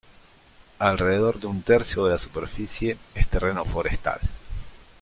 Alrededor de un tercio de la superficie es terreno forestal.